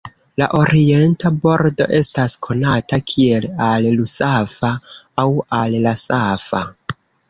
La orienta bordo estas konata kiel Al-Rusafa aŭ Al-Rasafa.